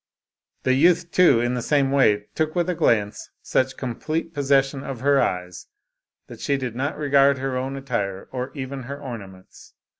The youth, too, in the same way, took with a glance such com plete possession of her eyes, that she did not regard her own attire or even her ornaments.